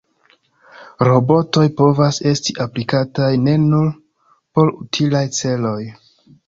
Robotoj povas esti aplikataj ne nur por utilaj celoj.